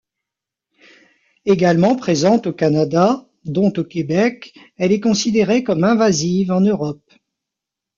Également présente au Canada, dont au Québec, elle est considérée comme invasive en Europe.